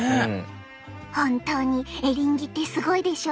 本当にエリンギってすごいでしょ？